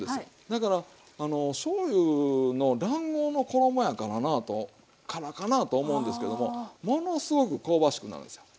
だからしょうゆの卵黄の衣やからかなと思うんですけどもものすごく香ばしくなるんですよ。